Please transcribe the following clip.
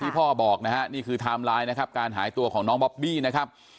พ่อบอกนะฮะนี่คือไทม์ไลน์นะครับการหายตัวของน้องบอบบี้นะครับ